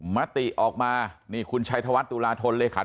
มธิออกมาเนี่ยคุณชายธวัฒน์ตุราธนเลยค่ะ